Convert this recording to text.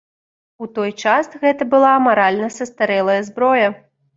У той час гэта была маральна састарэлая зброя.